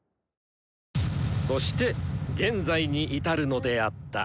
そして現在に至るのであった。